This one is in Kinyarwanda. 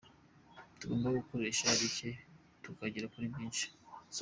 Tugomba gukoresha bike tukagera kuri byinshi.